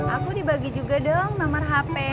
aku dibagi juga dong nomor hp